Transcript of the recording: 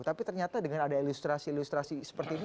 tapi ternyata dengan ada ilustrasi ilustrasi seperti ini